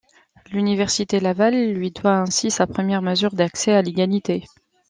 L'Université Laval lui doit ainsi sa première mesure d'accès à l'égalité.